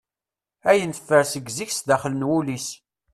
Ayen teffer seg zik s daxel n wul-is.